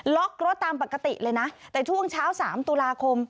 ล็อกรถตามปกติเลยนะแต่ช่วงเช้า๓ตุลาคม